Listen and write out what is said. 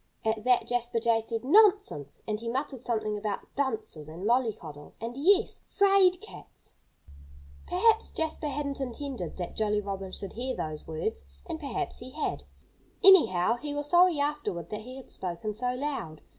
At that Jasper Jay said, "Nonsense!" And he muttered something about dunces, and mollycoddles, and yes! 'fraid cats! Perhaps Jasper hadn't intended that Jolly Robin should hear those words and perhaps he had. Anyhow, he was sorry afterward that he had spoken so loud.